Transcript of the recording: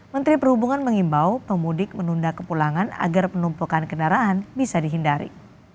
menteri perhubungan mengimbau pemudik menunda kepulangan agar penumpukan kendaraan bisa dihindari